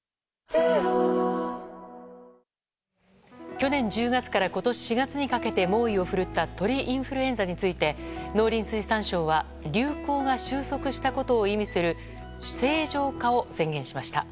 去年１０月から今年４月にかけて猛威を振るった鳥インフルエンザについて農林水産省は流行が収束したことを意味する清浄化を宣言しました。